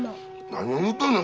何を言うとんねん